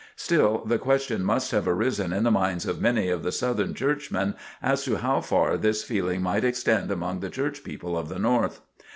Still the question must have arisen in the minds of many of the Southern Churchmen as to how far this feeling might extend among the Church people of the North.